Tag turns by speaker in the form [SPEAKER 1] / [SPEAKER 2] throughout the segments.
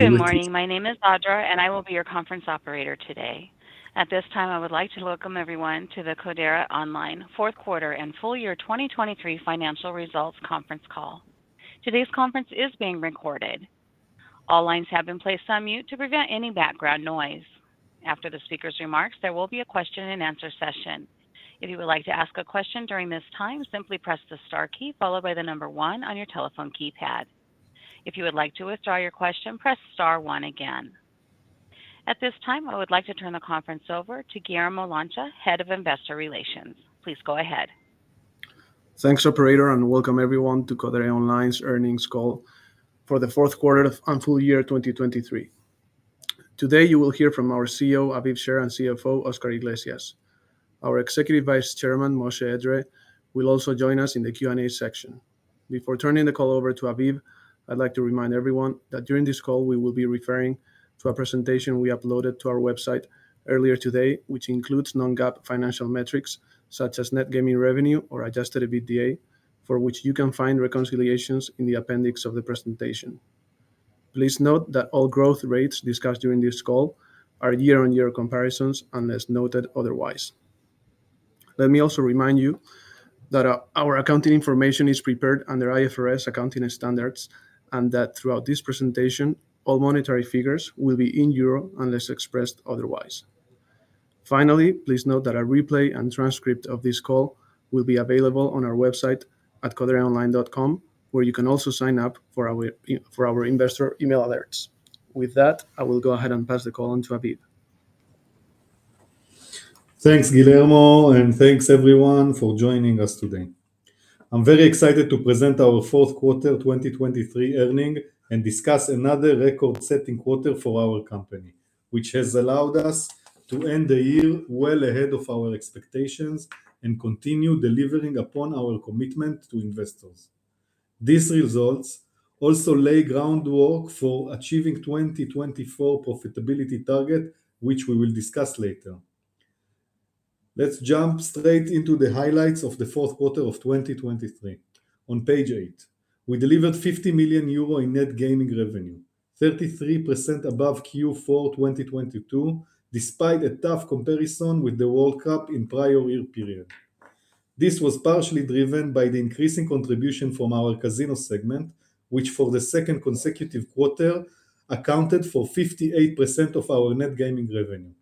[SPEAKER 1] Good morning. My name is Audra, and I will be your conference operator today. At this time, I would like to welcome everyone to the Codere Online fourth quarter and full year 2023 financial results conference call. Today's conference is being recorded. All lines have been placed on mute to prevent any background noise. After the speaker's remarks, there will be a question-and-answer session. If you would like to ask a question during this time, simply press the star key followed by the number one on your telephone keypad. If you would like to withdraw your question, press star one again. At this time, I would like to turn the conference over to Guillermo Lancha, Head of Investor Relations. Please go ahead.
[SPEAKER 2] Thanks, operator, and welcome everyone to Codere Online's earnings call for the fourth quarter and full year 2023. Today, you will hear from our CEO, Aviv Sher, and CFO, Oscar Iglesias. Our Executive Vice Chairman, Moshe Edree, will also join us in the Q&A section. Before turning the call over to Aviv, I'd like to remind everyone that during this call, we will be referring to a presentation we uploaded to our website earlier today, which includes non-GAAP financial metrics such as net gaming revenue or Adjusted EBITDA, for which you can find reconciliations in the appendix of the presentation. Please note that all growth rates discussed during this call are year-on-year comparisons, unless noted otherwise. Let me also remind you that our accounting information is prepared under IFRS accounting and standards, and that throughout this presentation, all monetary figures will be in euro unless expressed otherwise. Finally, please note that a replay and transcript of this call will be available on our website at codereonline.com, where you can also sign up for our, for our investor email alerts. With that, I will go ahead and pass the call on to Aviv.
[SPEAKER 3] Thanks, Guillermo, and thanks, everyone, for joining us today. I'm very excited to present our fourth quarter 2023 earnings and discuss another record-setting quarter for our company, which has allowed us to end the year well ahead of our expectations and continue delivering upon our commitment to investors. These results also lay groundwork for achieving 2024 profitability target, which we will discuss later. Let's jump straight into the highlights of the fourth quarter of 2023. On page eight, we delivered 50 million euro in net gaming revenue, 33% above Q4 2022, despite a tough comparison with the World Cup in prior year period. This was partially driven by the increasing contribution from our casino segment, which for the second consecutive quarter, accounted for 58% of our net gaming revenue.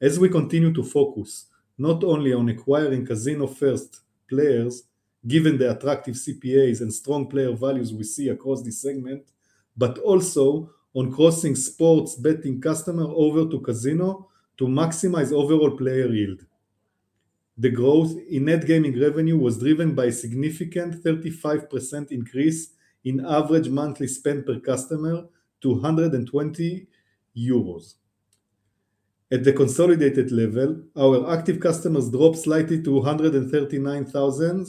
[SPEAKER 3] As we continue to focus not only on acquiring casino-first players, given the attractive CPAs and strong player values we see across this segment, but also on crossing sports betting customer over to casino to maximize overall player yield. The growth in net gaming revenue was driven by a significant 35% increase in average monthly spend per customer to EUR 120. At the consolidated level, our active customers dropped slightly to 139,000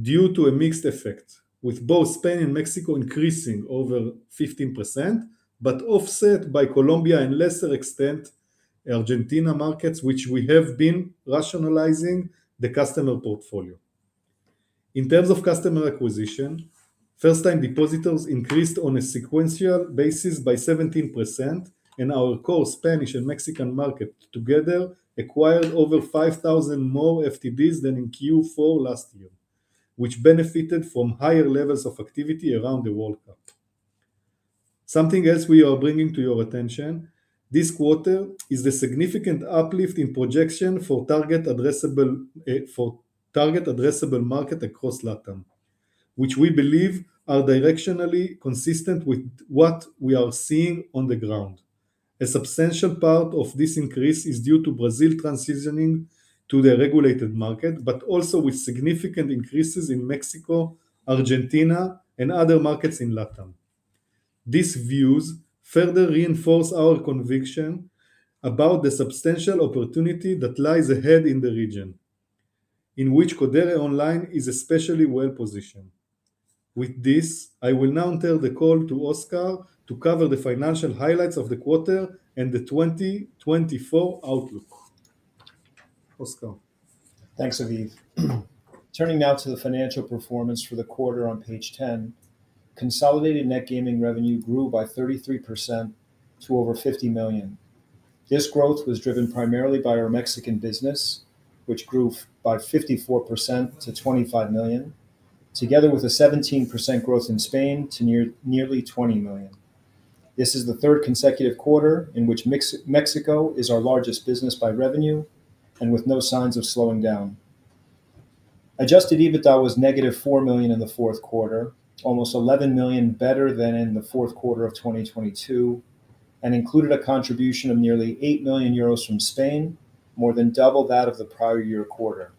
[SPEAKER 3] due to a mixed effect, with both Spain and Mexico increasing over 15%, but offset by Colombia in lesser extent, Argentina markets, which we have been rationalizing the customer portfolio. In terms of customer acquisition, first-time depositors increased on a sequential basis by 17%, and our core Spanish and Mexican market together acquired over 5,000 more FTDs than in Q4 last year, which benefited from higher levels of activity around the World Cup. Something else we are bringing to your attention this quarter is the significant uplift in projection for target addressable, for target addressable market across LatAm, which we believe are directionally consistent with what we are seeing on the ground. A substantial part of this increase is due to Brazil transitioning to the regulated market, but also with significant increases in Mexico, Argentina, and other markets in LatAm. These views further reinforce our conviction about the substantial opportunity that lies ahead in the region, in which Codere Online is especially well positioned. With this, I will now turn the call to Oscar to cover the financial highlights of the quarter and the 2024 outlook. Oscar?
[SPEAKER 4] Thanks, Aviv. Turning now to the financial performance for the quarter on page 10. Consolidated net gaming revenue grew by 33% to over 50 million. This growth was driven primarily by our Mexican business, which grew by 54% to 25 million, together with a 17% growth in Spain to nearly 20 million. This is the third consecutive quarter in which Mexico is our largest business by revenue and with no signs of slowing down. Adjusted EBITDA was -4 million in the fourth quarter, almost 11 million better than in the fourth quarter of 2022, and included a contribution of nearly 8 million euros from Spain, more than double that of the prior year quarter.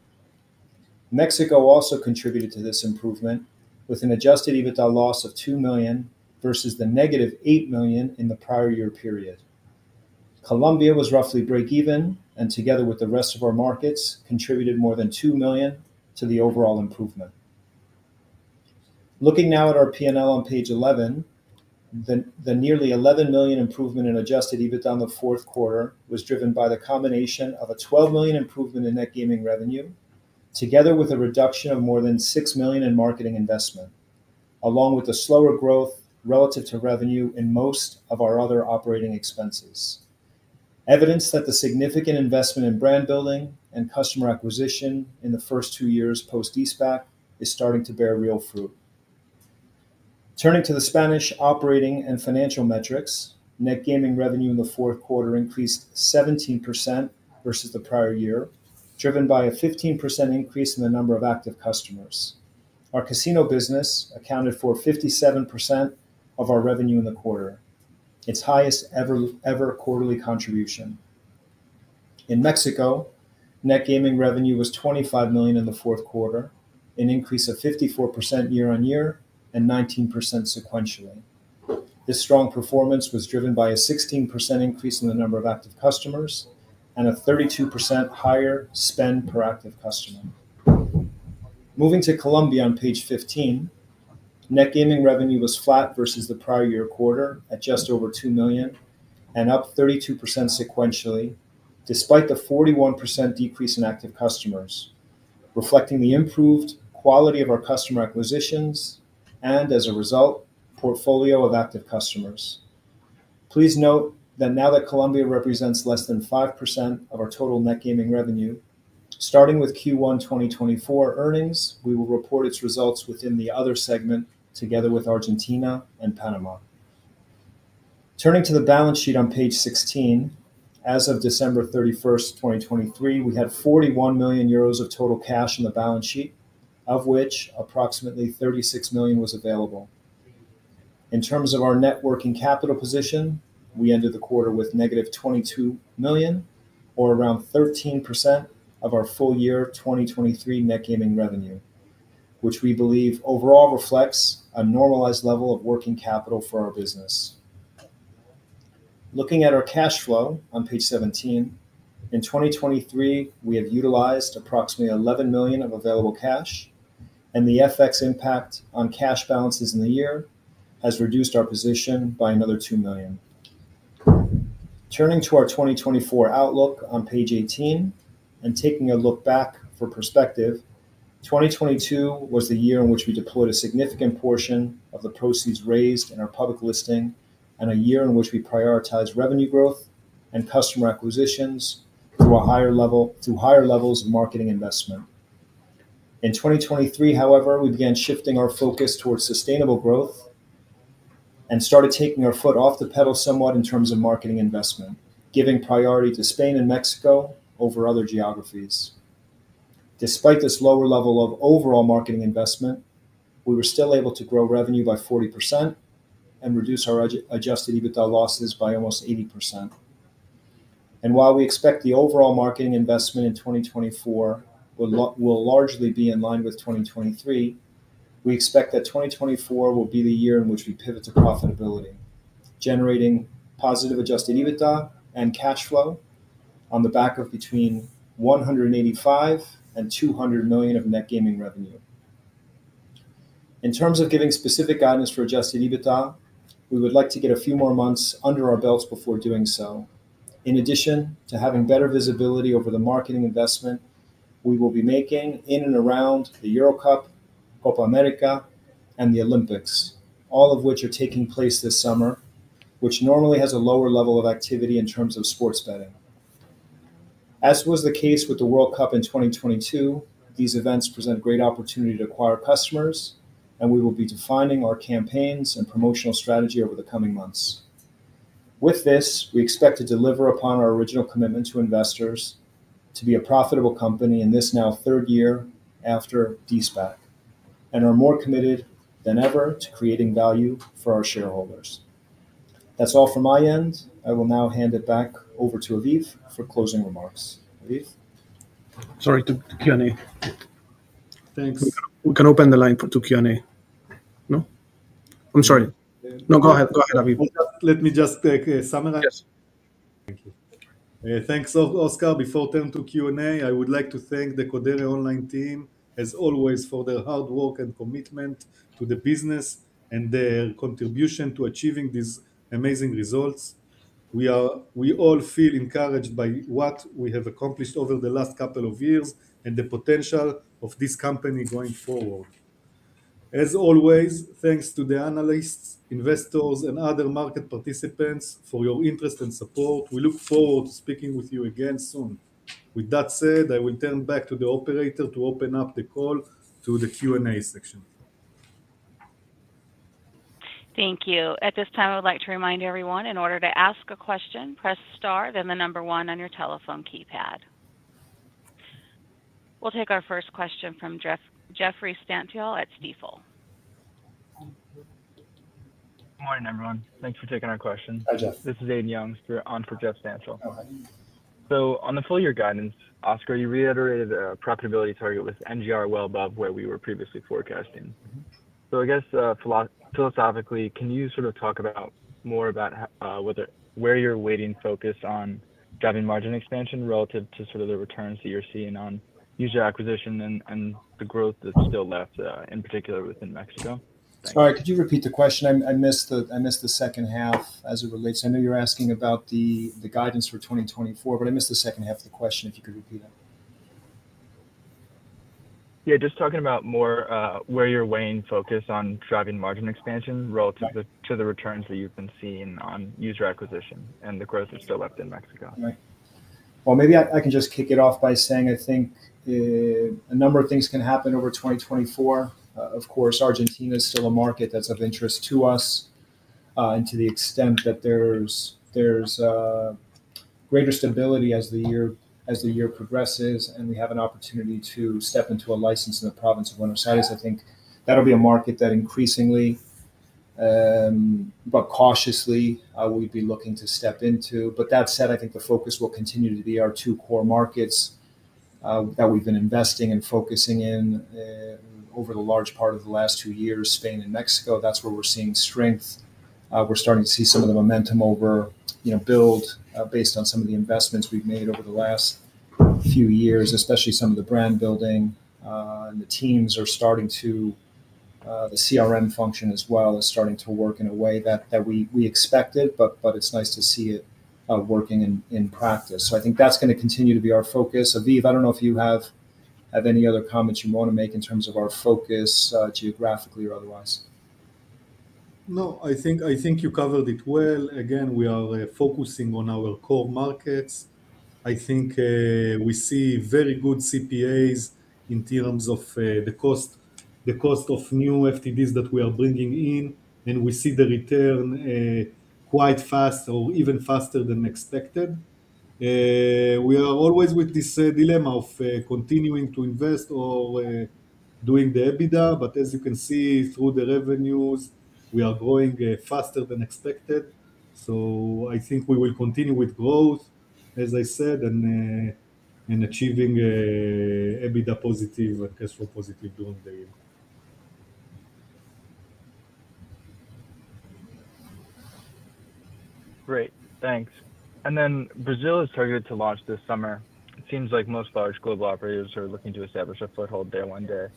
[SPEAKER 4] Mexico also contributed to this improvement with an Adjusted EBITDA loss of 2 million versus the -8 million in the prior year period. Colombia was roughly break even, and together with the rest of our markets, contributed more than 2 million to the overall improvement. Looking now at our P&L on page 11, the nearly 11 million improvement in Adjusted EBITDA in the fourth quarter was driven by the combination of a 12 million improvement in net gaming revenue, together with a reduction of more than 6 million in marketing investment, along with the slower growth relative to revenue in most of our other operating expenses. Evidence that the significant investment in brand building and customer acquisition in the first two years post de-SPAC is starting to bear real fruit. Turning to the Spanish operating and financial metrics, net gaming revenue in the fourth quarter increased 17% versus the prior year, driven by a 15% increase in the number of active customers. Our casino business accounted for 57% of our revenue in the quarter, its highest ever quarterly contribution. In Mexico, net gaming revenue was 25 million in the fourth quarter, an increase of 54% year-on-year and 19% sequentially. This strong performance was driven by a 16% increase in the number of active customers and a 32% higher spend per active customer. Moving to Colombia on page 15, net gaming revenue was flat versus the prior year quarter at just over 2 million, and up 32% sequentially, despite the 41% decrease in active customers, reflecting the improved quality of our customer acquisitions and, as a result, portfolio of active customers. Please note that now that Colombia represents less than 5% of our total net gaming revenue, starting with Q1 2024 earnings, we will report its results within the other segment, together with Argentina and Panama. Turning to the balance sheet on page 16, as of December 31st, 2023, we had 41 million euros of total cash on the balance sheet, of which approximately 36 million was available. In terms of our net working capital position, we ended the quarter with negative 22 million, or around 13% of our full year 2023 net gaming revenue, which we believe overall reflects a normalized level of working capital for our business. Looking at our cash flow on page 17, in 2023, we have utilized approximately 11 million of available cash, and the FX impact on cash balances in the year has reduced our position by another 2 million. Turning to our 2024 outlook on page 18, and taking a look back for perspective, 2022 was the year in which we deployed a significant portion of the proceeds raised in our public listing and a year in which we prioritized revenue growth and customer acquisitions through a higher level, through higher levels of marketing investment. In 2023, however, we began shifting our focus towards sustainable growth and started taking our foot off the pedal somewhat in terms of marketing investment, giving priority to Spain and Mexico over other geographies. Despite this lower level of overall marketing investment, we were still able to grow revenue by 40% and reduce our Adjusted EBITDA losses by almost 80%. While we expect the overall marketing investment in 2024 will largely be in line with 2023, we expect that 2024 will be the year in which we pivot to profitability, generating positive Adjusted EBITDA and cash flow on the back of between 185 million and 200 million of net gaming revenue. In terms of giving specific guidance for Adjusted EBITDA, we would like to get a few more months under our belts before doing so. In addition to having better visibility over the marketing investment, we will be making in and around the Euro Cup, Copa América, and the Olympics, all of which are taking place this summer, which normally has a lower level of activity in terms of sports betting. As was the case with the World Cup in 2022, these events present great opportunity to acquire customers, and we will be defining our campaigns and promotional strategy over the coming months. With this, we expect to deliver upon our original commitment to investors to be a profitable company in this now third year after de-SPAC, and are more committed than ever to creating value for our shareholders. That's all from my end. I will now hand it back over to Aviv for closing remarks. Aviv?
[SPEAKER 2] Sorry, to Q&A.
[SPEAKER 3] Thanks.
[SPEAKER 2] We can open the line for to Q&A. No? I'm sorry. No, go ahead. Go ahead, Aviv.
[SPEAKER 3] Let me just summarize.
[SPEAKER 2] Yes.
[SPEAKER 3] Thank you. Thanks, Oscar. Before turning to Q&A, I would like to thank the Codere Online team, as always, for their hard work and commitment to the business and their contribution to achieving these amazing results. We all feel encouraged by what we have accomplished over the last couple of years and the potential of this company going forward. As always, thanks to the analysts, investors and other market participants for your interest and support. We look forward to speaking with you again soon. With that said, I will turn back to the operator to open up the call to the Q&A section.
[SPEAKER 1] Thank you. At this time, I would like to remind everyone, in order to ask a question, press star, then the number one on your telephone keypad. We'll take our first question from Jeffrey Stantial at Stifel.
[SPEAKER 5] Good morning, everyone. Thanks for taking our question.
[SPEAKER 4] Hi, Jeff.
[SPEAKER 5] This is Aidan Young on for Jeff Stantial. So on the full year guidance, Oscar, you reiterated a profitability target with NGR well above where we were previously forecasting. So I guess, philosophically, can you sort of talk about more about how whether where you're waiting focused on driving margin expansion relative to sort of the returns that you're seeing on user acquisition and, and the growth that's still left, in particular within Mexico?
[SPEAKER 4] Sorry, could you repeat the question? I missed the second half as it relates... I know you're asking about the guidance for 2024, but I missed the second half of the question, if you could repeat it.
[SPEAKER 5] Yeah, just talking about more, where you're weighing focus on driving margin expansion relative to the returns that you've been seeing on user acquisition and the growth that's still left in Mexico.
[SPEAKER 4] Right. Well, maybe I can just kick it off by saying I think, a number of things can happen over 2024. Of course, Argentina is still a market that's of interest to us. And to the extent that there's, greater stability as the year progresses, and we have an opportunity to step into a license in the province of Buenos Aires, I think that'll be a market that increasingly, but cautiously, we'd be looking to step into. But that said, I think the focus will continue to be our two core markets, that we've been investing and focusing in, over the large part of the last two years, Spain and Mexico. That's where we're seeing strength. We're starting to see some of the momentum over, you know, build, based on some of the investments we've made over the last few years, especially some of the brand building. And the teams are starting to, the CRM function as well is starting to work in a way that, that we, we expected, but, but it's nice to see it, working in, in practice. So I think that's gonna continue to be our focus. Aviv, I don't know if you have, have any other comments you wanna make in terms of our focus, geographically or otherwise?
[SPEAKER 3] No, I think, I think you covered it well. Again, we are focusing on our core markets. I think, we see very good CPAs in terms of, the cost, the cost of new FTDs that we are bringing in, and we see the return, quite fast or even faster than expected. We are always with this, dilemma of, continuing to invest or, doing the EBITDA, but as you can see through the revenues, we are growing, faster than expected. So I think we will continue with growth, as I said, and, and achieving, EBITDA positive and cash flow positive during the year.
[SPEAKER 5] Great, thanks. And then Brazil is targeted to launch this summer. It seems like most large global operators are looking to establish a foothold there one day.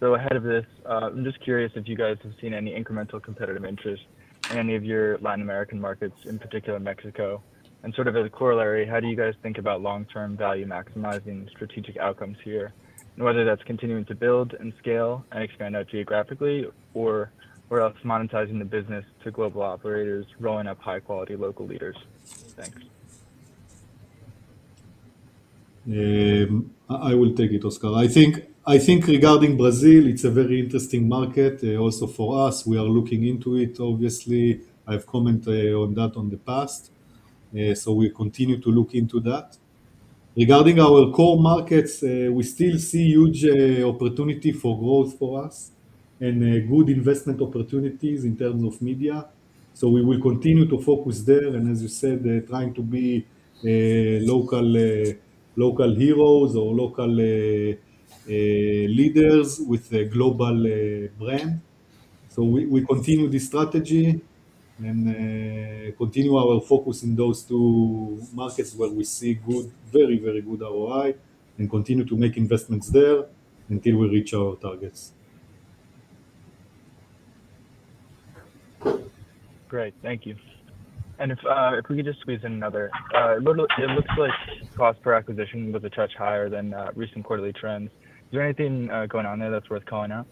[SPEAKER 5] So ahead of this, I'm just curious if you guys have seen any incremental competitive interest in any of your Latin American markets, in particular Mexico? And sort of as a corollary, how do you guys think about long-term value maximizing strategic outcomes here? And whether that's continuing to build and scale and expand out geographically, or, or else monetizing the business to global operators, rolling up high-quality local leaders. Thanks.
[SPEAKER 3] I will take it, Oscar. I think regarding Brazil, it's a very interesting market, also for us. We are looking into it. Obviously, I've commented on that in the past, so we continue to look into that. Regarding our core markets, we still see huge opportunity for growth for us and good investment opportunities in terms of media. So we will continue to focus there, and as you said, trying to be local heroes or local leaders with a global brand. So we continue this strategy and continue our focus in those two markets where we see very, very good ROI, and continue to make investments there until we reach our targets.
[SPEAKER 5] Great, thank you. And if we could just squeeze in another. It looks like cost per acquisition was a touch higher than recent quarterly trends. Is there anything going on there that's worth calling out?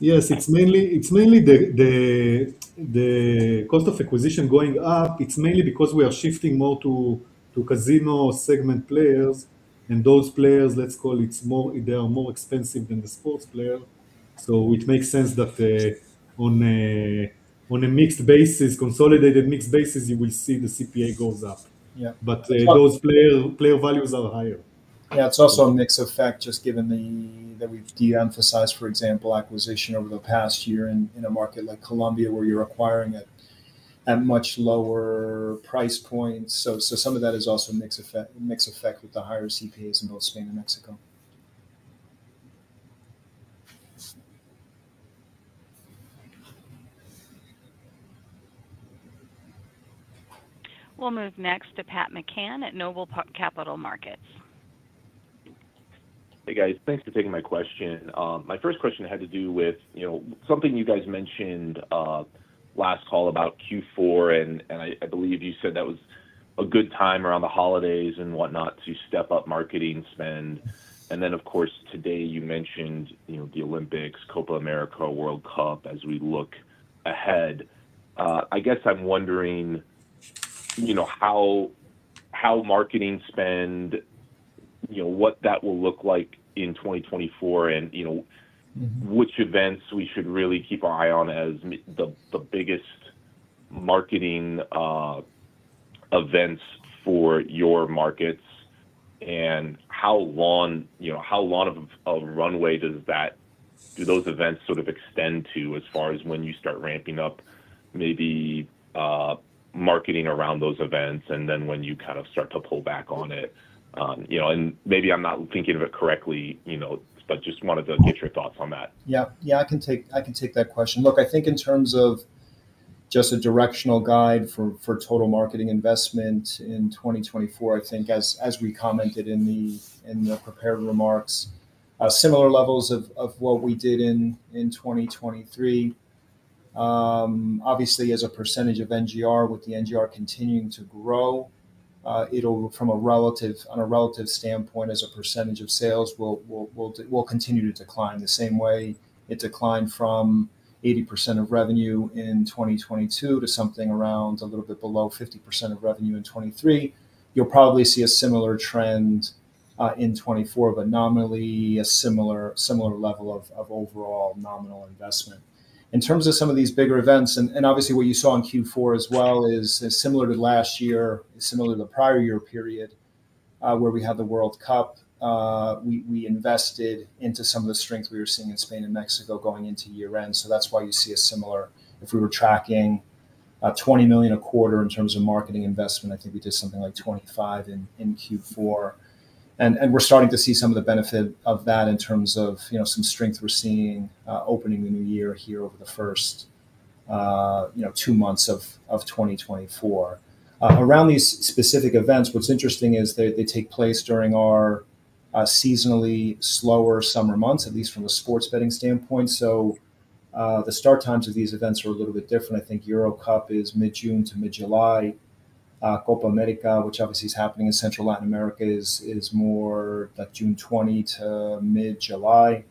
[SPEAKER 3] Yes. It's mainly the cost of acquisition going up. It's mainly because we are shifting more to casino segment players, and those players, let's call it, it's more... They are more expensive than the sports player. So it makes sense that on a mixed basis, consolidated mixed basis, you will see the CPA goes up.
[SPEAKER 4] Yeah.
[SPEAKER 3] But, those player values are higher.
[SPEAKER 4] Yeah, it's also a mix effect, just given that we've de-emphasized, for example, acquisition over the past year in a market like Colombia, where you're acquiring at much lower price points. So some of that is also a mix effect with the higher CPAs in both Spain and Mexico.
[SPEAKER 1] We'll move next to Pat McCann at Noble Capital Markets.
[SPEAKER 6] Hey, guys. Thanks for taking my question. My first question had to do with, you know, something you guys mentioned last call about Q4, and I believe you said that was a good time around the holidays and whatnot to step up marketing spend. And then, of course, today you mentioned, you know, the Olympics, Copa América, World Cup, as we look ahead. I guess I'm wondering, you know, how marketing spend, you know, what that will look like in 2024, and, you know-
[SPEAKER 4] Mm-hmm
[SPEAKER 6] ..hich events we should really keep our eye on as the biggest marketing events for your markets, and how long, you know, how long of runway does that, do those events sort of extend to as far as when you start ramping up, maybe, marketing around those events, and then when you kind of start to pull back on it? You know, and maybe I'm not thinking of it correctly, you know, but just wanted to get your thoughts on that.
[SPEAKER 4] Yeah. Yeah, I can take, I can take that question. Look, I think in terms of just a directional guide for total marketing investment in 2024, I think as we commented in the prepared remarks, similar levels of what we did in 2023. Obviously, as a percentage of NGR, with the NGR continuing to grow, it'll from a relative, on a relative standpoint, as a percentage of sales, will continue to decline. The same way it declined from 80% of revenue in 2022 to something around a little bit below 50% of revenue in 2023. You'll probably see a similar trend in 2024, but nominally a similar level of overall nominal investment. In terms of some of these bigger events, and obviously what you saw in Q4 as well is similar to last year, similar to the prior year period, where we had the World Cup. We invested into some of the strengths we were seeing in Spain and Mexico going into year-end, so that's why you see a similar. If we were tracking $20 million a quarter in terms of marketing investment, I think we did something like $25 million in Q4. And we're starting to see some of the benefit of that in terms of, you know, some strength we're seeing opening the new year here over the first, you know, two months of 2024. Around these specific events, what's interesting is they, they take place during our, seasonally slower summer months, at least from a sports betting standpoint. So, the start times of these events are a little bit different. I think Euro Cup is mid-June to mid-July. Copa América, which obviously is happening in Central Latin America, is, is more like June 20 to mid-July,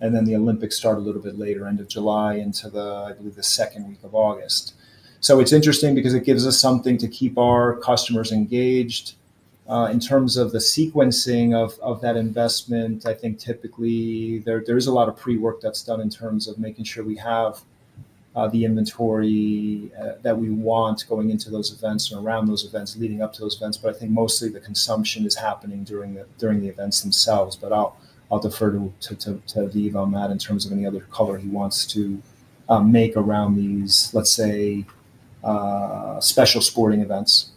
[SPEAKER 4] and then the Olympics start a little bit later, end of July into the, I believe, the second week of August. So it's interesting because it gives us something to keep our customers engaged. In terms of the sequencing of that investment, I think typically there is a lot of pre-work that's done in terms of making sure we have the inventory that we want going into those events and around those events, leading up to those events, but I think mostly the consumption is happening during the events themselves. But I'll defer to Aviv on that in terms of any other color he wants to make around these, let's say, special sporting events.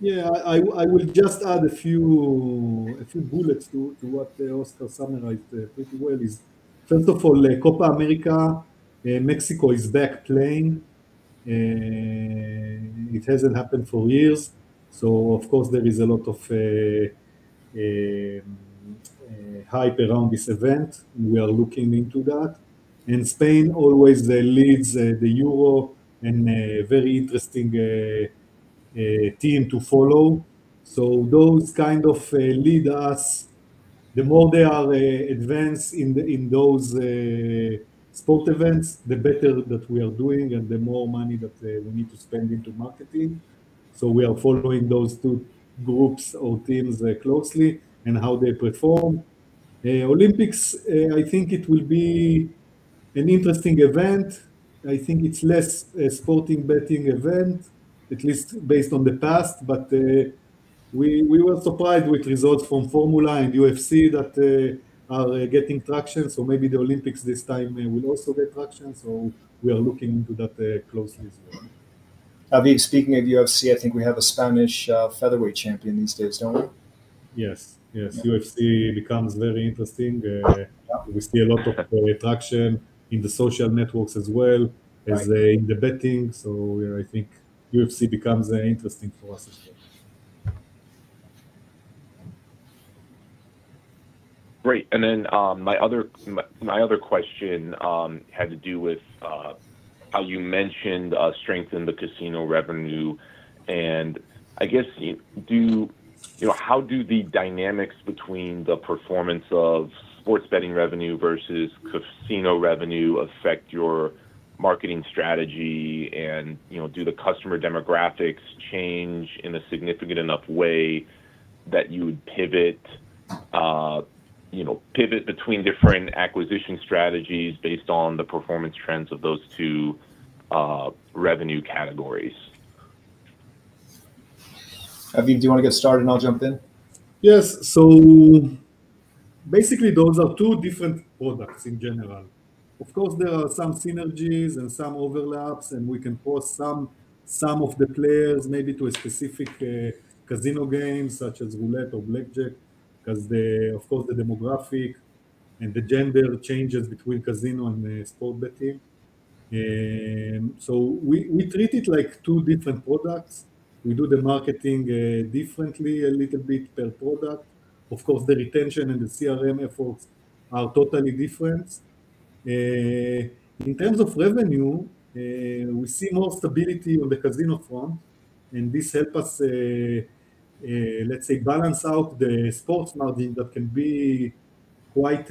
[SPEAKER 3] Yeah. I will just add a few bullets to what Oscar summarized pretty well. It's first of all, Copa América. Mexico is back playing. It hasn't happened for years, so of course, there is a lot of hype around this event. We are looking into that. And Spain, always they leads the Euro, and a very interesting team to follow. So those kind of lead us, the more they are advanced in those sports events, the better that we are doing and the more money that we need to spend into marketing. So we are following those two groups or teams closely and how they perform. Olympics, I think it will be an interesting event. I think it's less a sporting betting event, at least based on the past, but we were surprised with results from Formula and UFC that are getting traction, so maybe the Olympics this time will also get traction, so we are looking into that closely as well.
[SPEAKER 4] Aviv, speaking of UFC, I think we have a Spanish featherweight champion these days, don't we?
[SPEAKER 3] Yes. Yes. UFC becomes very interesting.
[SPEAKER 4] Yeah
[SPEAKER 3] We see a lot of attraction in the social networks as well.
[SPEAKER 4] Right
[SPEAKER 3] As in the betting, so we are, I think UFC becomes interesting for us as well.
[SPEAKER 6] Great, and then, my other question had to do with how you mentioned strength in the casino revenue, and I guess, do you know, how do the dynamics between the performance of sports betting revenue versus casino revenue affect your marketing strategy? And, you know, do the customer demographics change in a significant enough way that you would pivot, you know, pivot between different acquisition strategies based on the performance trends of those two revenue categories?
[SPEAKER 4] Aviv, do you wanna get started, and I'll jump in?
[SPEAKER 3] Yes. So basically, those are two different products in general. Of course, there are some synergies and some overlaps, and we can pull some of the players maybe to a specific casino game, such as roulette or blackjack, 'cause, of course, the demographic and the gender changes between casino and the sports betting. So we treat it like two different products. We do the marketing differently a little bit per product. Of course, the retention and the CRM efforts are totally different. In terms of revenue, we see more stability on the casino front, and this help us, let's say, balance out the sports margin that can be quite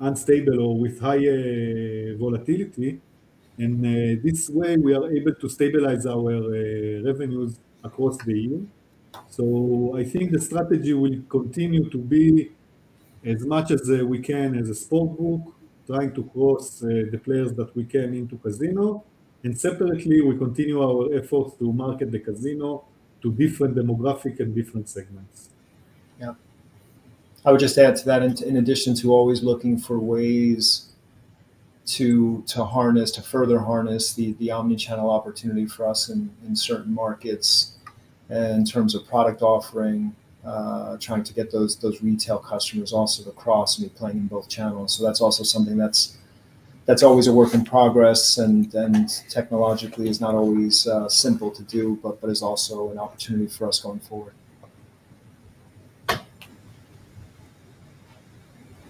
[SPEAKER 3] unstable or with high volatility. And this way, we are able to stabilize our revenues across the year. I think the strategy will continue to be as much as we can, as a sports book, trying to cross the players that we can into casino. Separately, we continue our efforts to market the casino to different demographic and different segments.
[SPEAKER 4] Yeah. I would just add to that, in addition to always looking for ways to further harness the omni-channel opportunity for us in certain markets, in terms of product offering, trying to get those retail customers also to cross and be playing in both channels. So that's also something that's always a work in progress, and technologically is not always simple to do, but is also an opportunity for us going forward.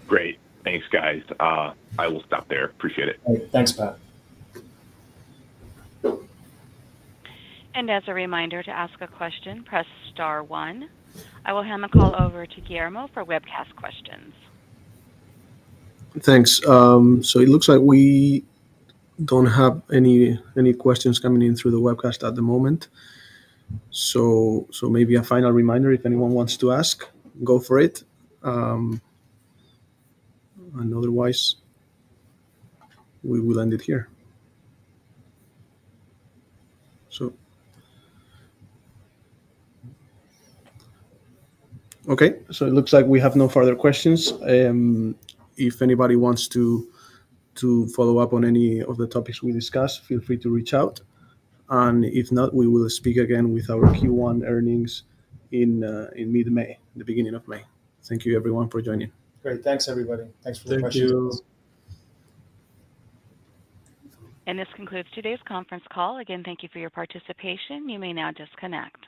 [SPEAKER 6] Great. Thanks, guys. I will stop there. Appreciate it.
[SPEAKER 4] Thanks, Pat.
[SPEAKER 1] As a reminder, to ask a question, press star one. I will hand the call over to Guillermo for webcast questions.
[SPEAKER 2] Thanks. So it looks like we don't have any questions coming in through the webcast at the moment. So maybe a final reminder, if anyone wants to ask, go for it. And otherwise, we will end it here. Okay, so it looks like we have no further questions. If anybody wants to follow up on any of the topics we discussed, feel free to reach out, and if not, we will speak again with our Q1 earnings in mid-May, the beginning of May. Thank you, everyone, for joining.
[SPEAKER 4] Great. Thanks, everybody. Thanks for the questions.
[SPEAKER 3] Thank you.
[SPEAKER 1] This concludes today's conference call. Again, thank you for your participation. You may now disconnect.